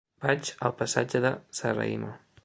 Vaig al passatge de Serrahima.